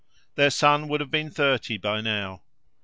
Their son would have been thirty by now.